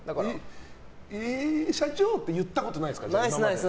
社長って言ったことないですか？